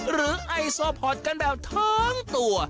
ไอโซพอร์ตกันแบบทั้งตัว